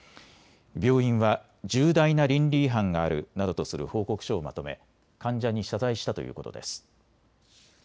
病院は重大な倫理違反があるなどとする報告書をまとめ患者に謝罪したということです。